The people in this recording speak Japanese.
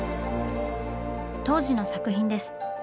当時の作品です。